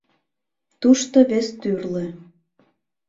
Тушто вес тӱрлӧ.